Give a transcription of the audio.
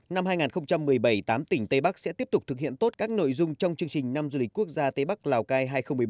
năm hai nghìn một mươi bảy tám tỉnh tây bắc sẽ tiếp tục thực hiện tốt các nội dung trong chương trình năm du lịch quốc gia tây bắc lào cai hai nghìn một mươi bốn